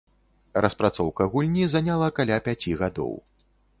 Распрацоўка гульні заняла каля пяці гадоў.